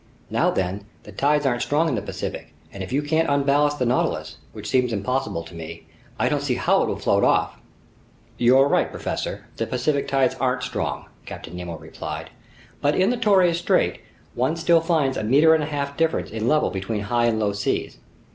Now then, the tides aren't strong in the Pacific, and if you can't unballast the Nautilus, which seems impossible to me, I don't see how it will float off." "You're right, professor, the Pacific tides aren't strong," Captain Nemo replied. "But in the Torres Strait, one still finds a meter and a half difference in level between high and low seas.